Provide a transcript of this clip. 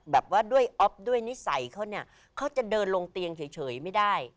แบบว่าด้วยอ๊อฟด้วยนิสัยเขาเนี่ยเขาจะเดินลงเตียงเฉยไม่ได้